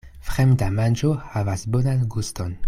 Fremda manĝo havas bonan guston.